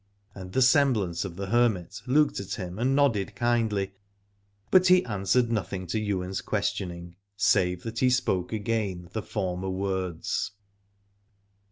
And the semblance of the hermit looked at him and nodded kindly, but he answered nothing to Ywain's questioning, save that he spoke again the former words.